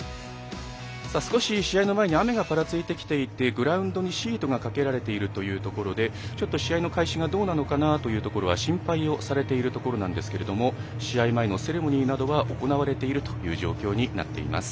少し試合の前に雨がぱらついてきていてグラウンドにシートがかけられているというところでちょっと試合の開始がどうなのかなというところは心配をされているところですが試合前のセレモニーなどは行われているという状況になっています。